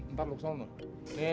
ntar lo kesana